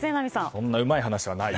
こんなうまい話はない。